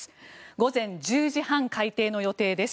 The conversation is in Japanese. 午前１０時半開廷の予定です。